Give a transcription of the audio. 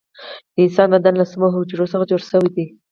د انسان بدن له څومره حجرو څخه جوړ شوی دی